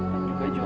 dan juga jody